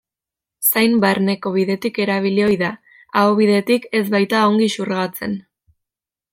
Zain-barneko bidetik erabili ohi da, aho-bidetik ez baita ongi xurgatzen.